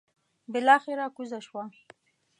بلاخره کوزه شوه.